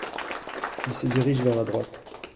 Il se dirige vers la droite.